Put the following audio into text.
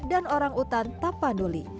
dan orang hutan tapanduli